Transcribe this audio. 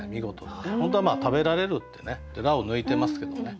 本当は「食べられる」って「ら」を抜いてますけどね